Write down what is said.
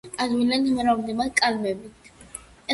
ადვილად მრავლდება კალმებით.